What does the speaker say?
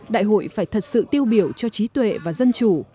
đại hội phải thật sự tiêu biểu cho trí tuệ và dân chủ